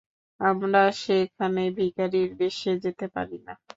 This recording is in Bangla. আমরা সেখানে ভিখারীর বেশে যেতে পারি না।